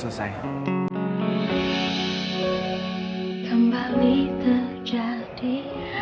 ceritanya udah ngumpul nih